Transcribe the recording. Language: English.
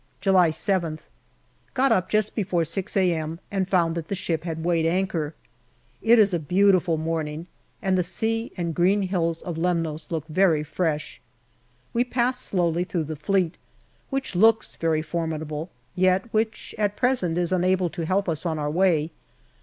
July 7th. Got up just before 6 a.m. and found that the ship had weighed anchor. It is a beautiful morning, and the sea and green hills of Lemnos look very fresh. We pass slowly through the Fleet, which looks very formidable, yet which at present is unable to help us on our way.